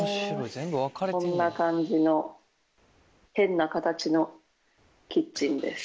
こんな感じの。のキッチンです。